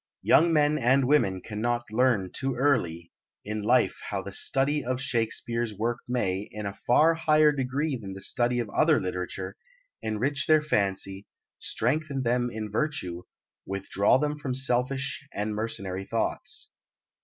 Young men and women cannot learn too early, in life how the study of Shakespeare's work may, in a far higher degree than the study of other literature, enrich their fancy, strengthen them in virtue, withdraw them from selfish and mercenary thoughts.